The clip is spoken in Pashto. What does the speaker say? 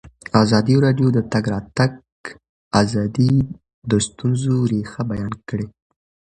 ازادي راډیو د د تګ راتګ ازادي د ستونزو رېښه بیان کړې.